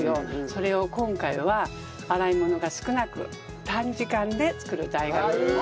それを今回は洗い物が少なく短時間で作る大学芋を。